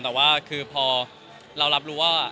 แต่ว่าคือพอเรารับรู้ว่า